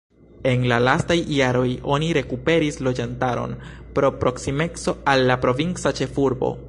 En la lastaj jaroj oni rekuperis loĝantaron pro proksimeco al la provinca ĉefurbo.